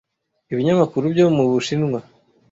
Ibinyamakuru byo mu Bushinwa